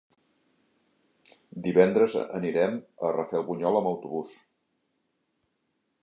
Divendres anirem a Rafelbunyol amb autobús.